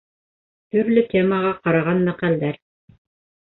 ТӨРЛӨ ТЕМАҒА ҠАРАҒАН МӘҠӘЛДӘР